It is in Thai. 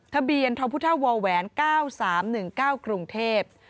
ทะเบียนธรพุทธววแหวน๙๓๑กรุงเทพฯ